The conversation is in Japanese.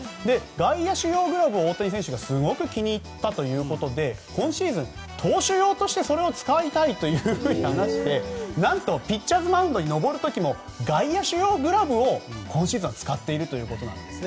外野手用グラブを大谷選手がすごく気に入ったようで今シーズン、投手用としてそれを使いたいと話して何と、ピッチャーズマウンドに登る時も外野手用グラブを今シーズンは使っているということです。